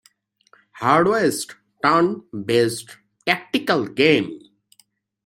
"Hard West", turn-based tactical game.